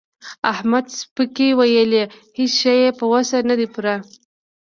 احمد پسکۍ ولي؛ هيڅ شی يې په وس نه دی پوره.